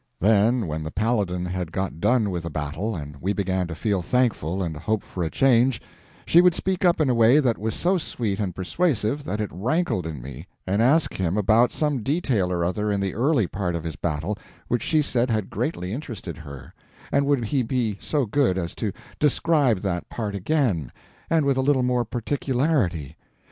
Then when the Paladin had got done with a battle and we began to feel thankful and hope for a change, she would speak up in a way that was so sweet and persuasive that it rankled in me, and ask him about some detail or other in the early part of his battle which she said had greatly interested her, and would he be so good as to describe that part again and with a little more particularity?